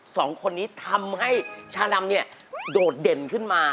สองคนนี้ทำให้ชาดำเนี่ยโดดเด่นขึ้นมา